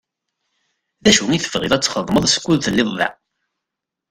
D acu i tebɣiḍ ad txedmeḍ skud telliḍ da?